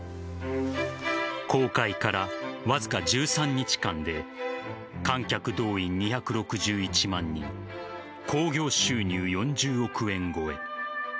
公開から、わずか１３日間で観客動員２６１万人興行収入４０億円超え。